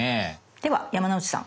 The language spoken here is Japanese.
では山之内さん。